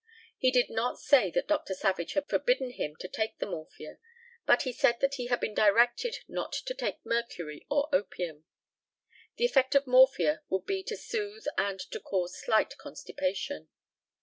He did not say that Dr. Savage had forbidden him to take the morphia, but he said that he had been directed not to take mercury or opium. The effect of morphia would be to soothe and to cause slight constipation.